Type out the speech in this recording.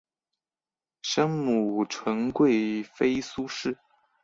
生母纯贵妃苏氏。